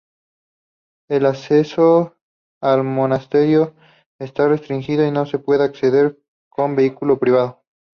El acceso al monasterio está restringido y no se puede acceder con vehículo privado.